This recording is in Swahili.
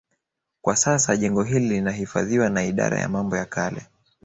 Kwa sasa jengo hili linahifadhiwa na Idara ya Mambo ya Kale